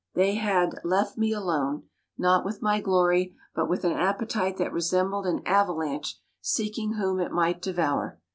They had "left me alone," not with my glory, but with an appetite that resembled an avalanche seeking whom it might devour.